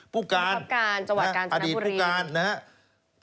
ปการอดีตปูการนะฮะกัปการจังหวัดการจนทคร์นุฏฬี